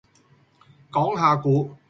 講下股